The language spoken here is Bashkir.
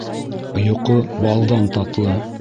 Йоҡо балдан татлы.